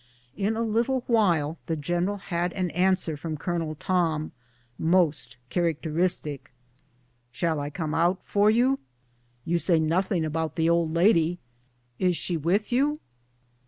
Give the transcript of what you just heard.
In a little while the general had an answer from Colonel Tom, most characteristic :^* Shall I come out for you ? You say nothing about the old lady ; is she with you?"